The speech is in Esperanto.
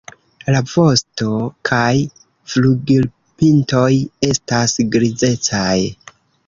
La vosto- kaj flugilpintoj estas grizecaj.